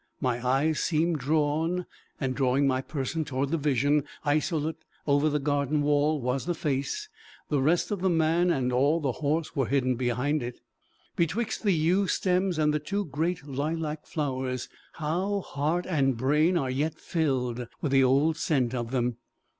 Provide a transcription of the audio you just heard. My eyes seemed drawn, and drawing my person toward the vision. Isolate over the garden wall was the face; the rest of the man and all the horse were hidden behind it. Betwixt the yew stems and the two great lilac flowers how heart and brain are yet filled with the old scent of them!